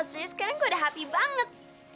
sekarang gue udah happy banget